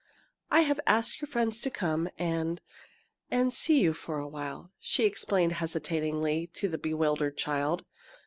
"I have asked your friends to come and and see you for a while," she explained hesitatingly to the bewildered child.